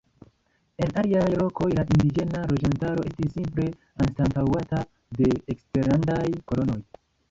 En aliaj lokoj, la indiĝena loĝantaro estis simple anstataŭata de eksterlandaj kolonoj.